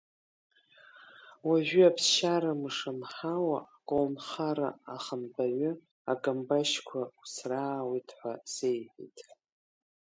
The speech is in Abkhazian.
Уажәы аԥсшьарамш анҳауа, аколнхара ахантәаҩы акамбашьқәа усраауеит ҳәа сеиҳәеит.